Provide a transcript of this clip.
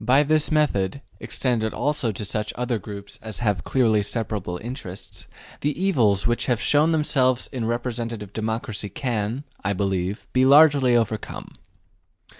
By this method, extended also to such other groups as have clearly separable interests, the evils which have shown themselves in representative democracy can, I believe, be largely overcome.